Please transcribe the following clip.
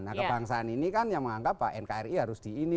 nah kebangsaan ini kan yang menganggap bahwa nkri harus di ini